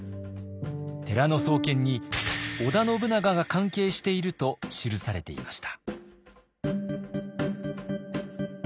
寺の創建に織田信長が関係していると記されていました。